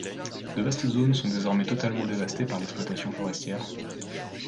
De vastes zones sont désormais totalement dévastées par l'exploitation forestière.